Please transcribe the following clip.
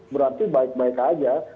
berarti baik baik saja